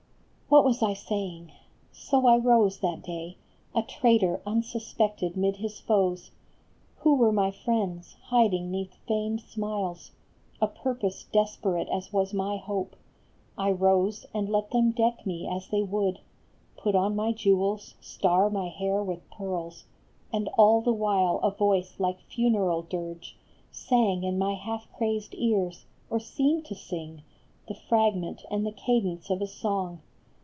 What was I saying ? So I rose that day A traitor unsuspected mid his foes, Who were my friends, hiding neath feigned smiles A purpose desperate as was my hope. I rose, and let them deck me as they would, Put on my jewels, star my hair with pearls, And all the while a voice like funeral dirge Sang in my half crazed ears, or seemed to sing, The fragment and the cadence of a song.